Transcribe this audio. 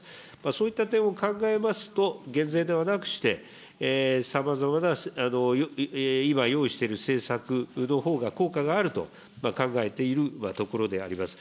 そういった点を考えますと、減税ではなくして、さまざまな今用意している政策のほうが効果があると考えているところであります。